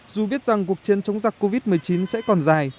dù biết rằng cuộc chiến chống giặc covid một mươi chín sẽ còn dài